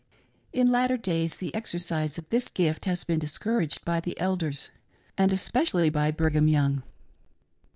In later days the exercise oi this gift has been dis couraged by the elders, and especially by Brigham Young.